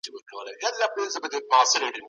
پښتو په ټوله نړۍ کي ور وپېژنه.